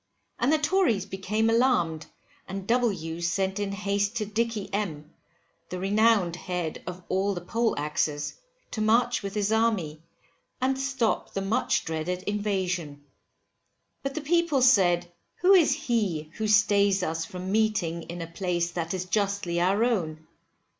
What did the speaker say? And the Tories became alarmed, and W sent in haste to Dicky M , the renowned head of all the poleaxes, to march with his army, and stop the much dreaded invasion. But the people said, who is he who stays us from meeting in a place that is justly our own?